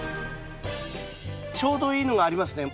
ちょうどいいのがありますね。